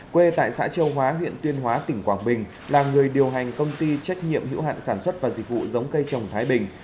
quê tại xã châu hóa huyện tuyên hóa tỉnh quảng bình là người điều hành công ty trách nhiệm hữu hạn sản xuất và dịch vụ giống cây trồng thái bình